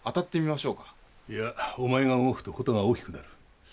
いやお前が動くと事が大きくなる。